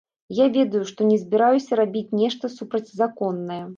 Я ведаю, што не збіраюся рабіць нешта супрацьзаконнае.